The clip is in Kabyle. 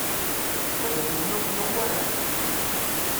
Baba-twen ur t-yuɣ wara?